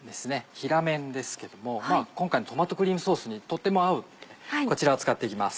平麺ですけども今回のトマトクリームソースにとっても合うんでこちらを使って行きます。